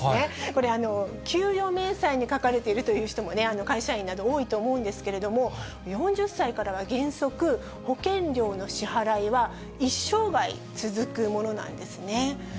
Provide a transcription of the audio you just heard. これ、給与明細に書かれているという人もね、会社員など多いと思うんですけれども、４０歳からは原則、保険料の支払いは一生涯続くものなんですね。